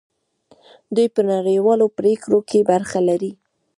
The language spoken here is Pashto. دوی په نړیوالو پریکړو کې برخه لري.